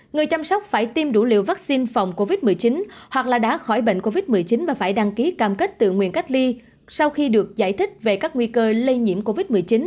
người chăm sóc phải tiêm đủ liều vaccine phòng covid một mươi chín hoặc là đã khỏi bệnh covid một mươi chín và phải đăng ký cam kết tự nguyện cách ly sau khi được giải thích về các nguy cơ lây nhiễm covid một mươi chín